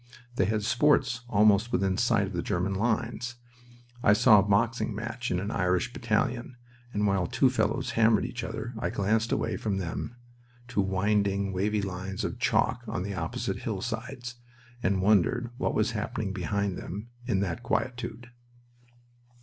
They had sports almost within sight of the German lines. I saw a boxing match in an Irish battalion, and while two fellows hammered each other I glanced away from them to winding, wavy lines of chalk on the opposite hillsides, and wondered what was happening behind them in that quietude.